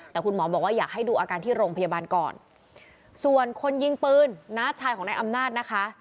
แต่คุณหมอบอกว่าอยากให้ดูอาการที่โรงพยาบาลก่อนส่วนคนยิงปืนน้าชายของนายอำนาจนะคะ